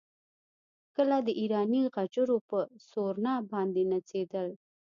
کله د ایراني غجرو پر سورنا باندې نڅېدل.